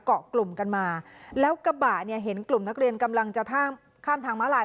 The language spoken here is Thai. เกาะกลุ่มกันมาแล้วกระบะเนี่ยเห็นกลุ่มนักเรียนกำลังจะข้ามข้ามทางม้าลาย